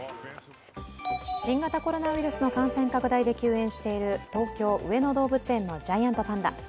新型コロナウイルスの感染拡大で休園している東京・上野動物園のジャイアントパンダ。